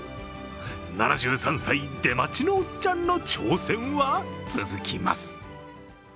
７３歳、出町のおっちゃんの挑戦は続きます。